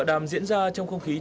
tòa đàm diễn ra trong không khí trời